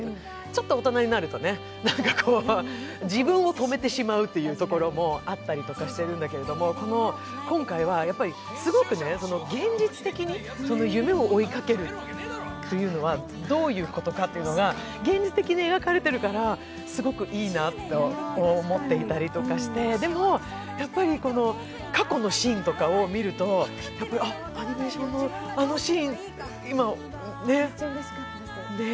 ちょっと大人になるとね、自分を止めてしまうというところもあったりとかするんだけれども、今回はすごく、現実的に夢を追いかけるというのはどういうことかというのが現実的に描かれているからすごくいいなと思っていたりとかして、でも、やっぱり過去のシーンとかを見ると、アニメーションのあのシーンってね。